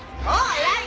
偉い。